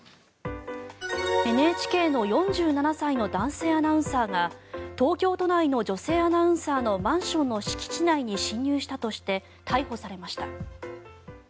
ＮＨＫの４７歳の男性アナウンサーが東京都内の女性アナウンサーのマンションの敷地内に侵入したとして逮捕されました。